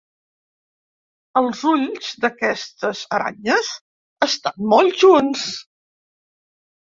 Els ulls d'aquestes aranyes estan molt junts.